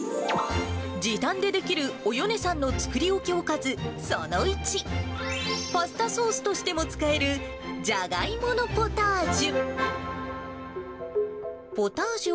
時短でできるおよねさんの作り置きおかずその１、パスタソースとしても使えるジャガイモのポタージュ。